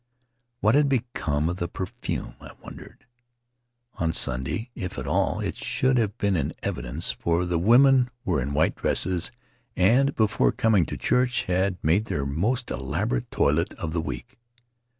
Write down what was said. What had become of the perfume, I wondered. On Sunday, if at all, it should have been in evidence, for The Starry Threshold the women were in white dresses and before coming to church had made their most elaborate toilet of the week.